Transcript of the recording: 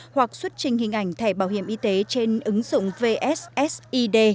hoặc xuất trình hình ảnh thẻ bảo hiểm y tế trên ứng dụng vssid